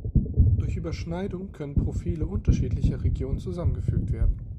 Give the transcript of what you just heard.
Durch Überschneidung können Profile unterschiedlicher Regionen zusammengefügt werden.